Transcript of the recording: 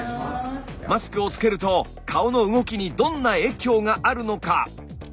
マスクをつけると顔の動きにどんな影響があるのか？